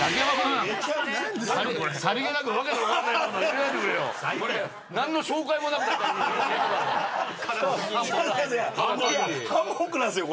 いやハンモックなんすよ